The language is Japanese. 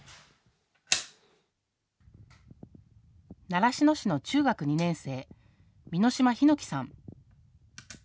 習志野市の中学２年生美濃島檜さん。